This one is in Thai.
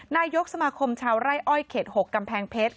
นายกสมาคมชาวไร่อ้อยเขต๖กำแพงเพชร